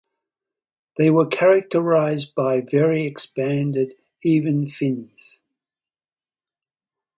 They were characterized by very expanded even fins.